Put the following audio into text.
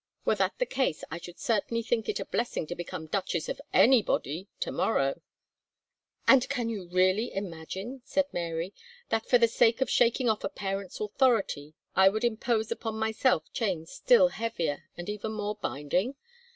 Were that the case, I should certainly think it a blessing to become Duchess of anybody to morrow." "And can you really imagine," said Mary, "that for the sake of shaking off a parent's authority I would impose upon myself chains still heavier, and even more binding?